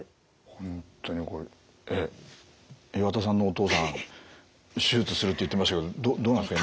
本当にこれえっ岩田さんのお父さん手術するって言ってましたけどどうなんですか？